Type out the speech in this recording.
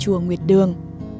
chùa nguyệt đường